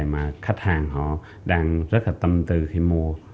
mà khách hàng họ đang rất là tâm tư khi mua